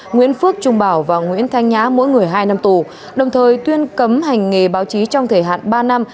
nguyễn phước trung bảo và nguyễn thanh nhã mỗi người hai năm tù đồng thời tuyên cấm hành nghề báo chí trong thời hạn ba năm